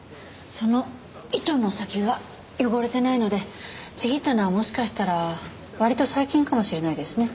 その糸の先が汚れてないのでちぎったのはもしかしたら割と最近かもしれないですね。